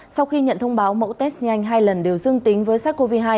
sau khi nhận thông báo mẫu test nhanh hai lần đều dương tính với sars cov hai